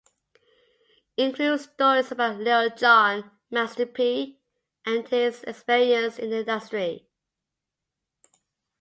Includes stories about Lil John, Master P and his experience in the industry.